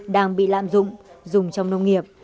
đang bị lạm dụng dùng trong nông nghiệp